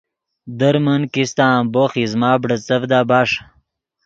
در من کیستہ امبوخ ایزمہ بیرڤدا بݰ